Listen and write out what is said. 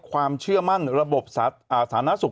ความเชื่อมั่นระบบสาธารณสุข